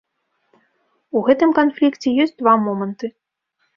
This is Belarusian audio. У гэтым канфлікце ёсць два моманты.